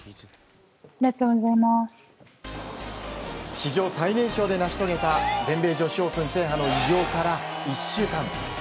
史上最年少で成し遂げた全米女子オープン制覇の偉業から１週間。